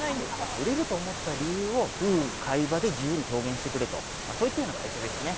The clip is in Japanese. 売れると思った理由を買い場で自由に表現してくれとそういったような会社ですね。